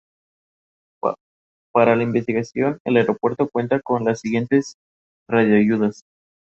El Al es conocida por sus estrictas medidas de seguridad.